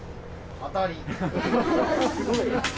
当たり。